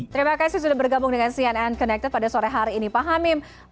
terima kasih sudah bergabung dengan cnn connected pada sore hari ini pak hamim